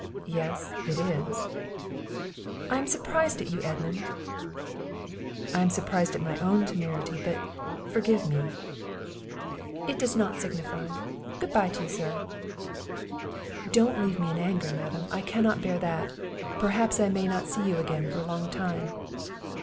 "Yes, it is." "I am surprised at you, Edmund." "I am surprised at my own temerity; but, forgive me." "It does not signify; good bye ty'e, sir." "Don't leave me in anger, madam; I cannot bear that. Perhaps I may not see you again for a long time."